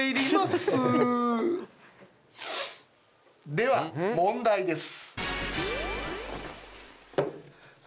では問題です。